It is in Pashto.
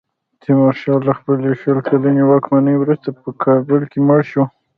تیمورشاه له خپلې شل کلنې واکمنۍ وروسته په کابل کې مړ شو.